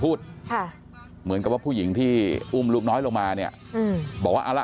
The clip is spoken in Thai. พูดค่ะเหมือนกับว่าผู้หญิงที่อุ้มลูกน้อยลงมาเนี่ยอืมบอกว่าเอาละ